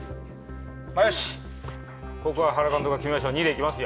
よしここは原監督が決めましょう２でいきますよ